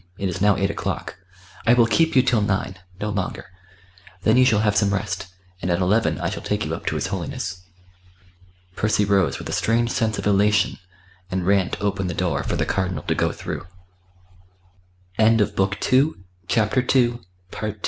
It is now eight o'clock. I will keep you till nine no longer. Then you shall have some rest, and at eleven I shall take you up to his Holiness." Percy rose with a strange sense of elation, and ran to open the door for the Cardinal to go through. III At a few minutes before eleven